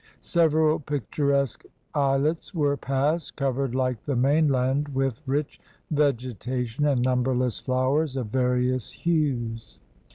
Several picturesque islets were passed, covered like the main land with rich vegetation and numberless flowers of various hues.